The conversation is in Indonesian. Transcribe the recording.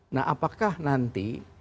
nah apakah nanti